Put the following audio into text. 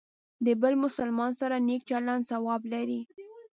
د بل مسلمان سره نیک چلند ثواب لري.